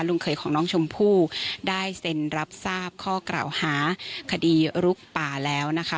เคยของน้องชมพู่ได้เซ็นรับทราบข้อกล่าวหาคดีลุกป่าแล้วนะคะ